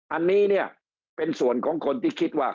อันนี้เนี่ยเป็นส่วนของคนที่คิดว่า